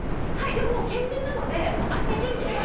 もう県民なのでもう秋田県民です。